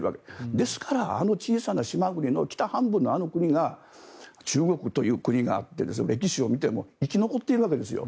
ですから、あの小さな島国の北半分のあの国が中国という国があって歴史を見ても生き残っているわけですよ。